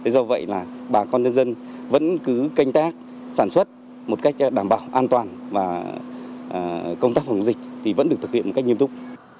do vậy là bà con nhân dân vẫn cứ canh tác sản xuất một cách đảm bảo an toàn và công tác phòng dịch thì vẫn được thực hiện một cách nghiêm túc